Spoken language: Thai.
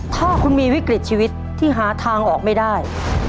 ถ้าคุณมีวิกฤตชีวิตที่หาทางออกไม่ได้